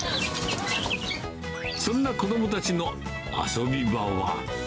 そんな子どもたちの遊び場は。